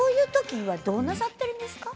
どうなさってるんですか。